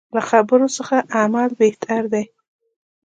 له خبرو څه عمل بهتر دی.